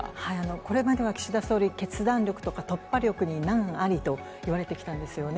これまでは岸田総理、決断力とか突破力に難ありといわれてきたんですよね。